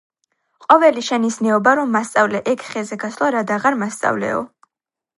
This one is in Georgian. ყოველი შენი ზნეობა რომ მასწავლე, ეგ ხეზე გასვლა რად აღარ მასწავლეო?